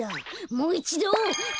もういちど。